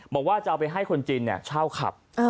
บอกว่าจะเอาไปให้คนจีนเช่าขับ